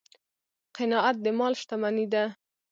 قناعت د مال شتمني ده.